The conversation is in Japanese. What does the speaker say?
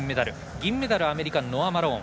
銀メダル、アメリカのノア・マローン。